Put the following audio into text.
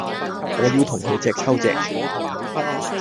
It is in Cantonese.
我要同佢隻揪隻